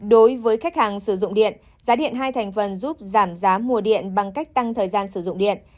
đối với khách hàng sử dụng điện giá điện hai thành phần giúp giảm giá mùa điện bằng cách tăng thời gian sử dụng điện